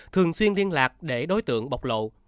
thường xuyên liên lạc để đối tượng bọc lộ